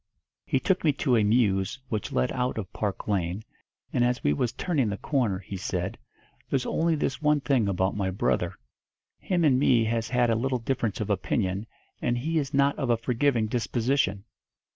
He took me to a mews what led out of Park Lane, and, as we was turning the corner, he said, 'There's only this one thing about my brother, him and me has had a little difference of opinion, and he is not of a forgiving disposition.'